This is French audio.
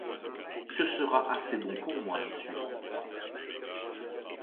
Ce sera assez bon pour moi, monsieur.